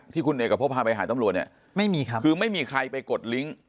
ที่คุณเอกพบพาไปหาตำรวจเนี่ยไม่มีครับคือไม่มีใครไปกดลิงค์